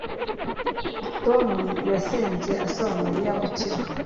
tom yasenze asaba mariya gukira